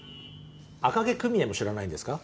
『赤毛組合』も知らないんですか？